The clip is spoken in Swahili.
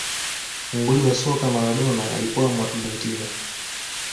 nguli wa soka maladona alikuwa muargentina